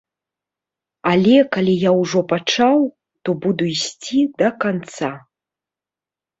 Але калі я ўжо пачаў, то буду ісці да канца.